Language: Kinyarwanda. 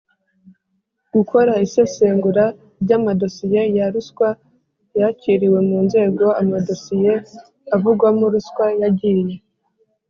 Gukora isesengura ry amadosiye ya ruswa yakiriwe mu nzego amadosiye avugwamo ruswa yagiye